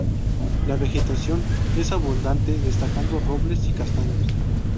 La vegetación es abundante, destacando robles y castaños.